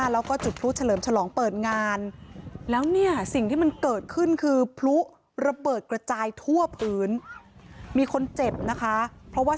แล้วก็จุดพลุเฉลิมฉลองเปิดงานแล้วเนี่ยสิ่งที่มันเกิดขึ้นคือพลุระเบิดกระจายทั่วพื้นมีคนเจ็บนะคะเพราะว่า